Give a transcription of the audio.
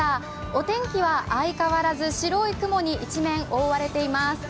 お天気は相変わらず白い雲に一面、覆われています。